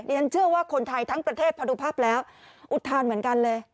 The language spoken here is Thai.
ฉันเชื่อว่าคนไทยทั้งประเทศพอดูภาพแล้วอุทานเหมือนกันเลย